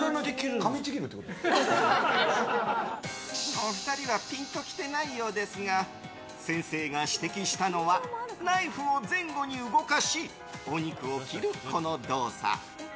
お二人はピンときてないようですが先生が指摘したのはナイフを前後に動かしお肉を切る、この動作。